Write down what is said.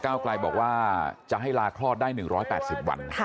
ไกลบอกว่าจะให้ลาคลอดได้๑๘๐วัน